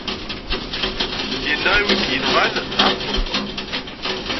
Yenna i wi k-yenɣan: ɛeffeṭ!